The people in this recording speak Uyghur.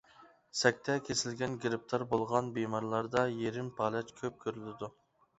سەكتە كېسىلىگە گىرىپتار بولغان بىمارلاردا يېرىم پالەچ كۆپ كۆرۈلىدۇ.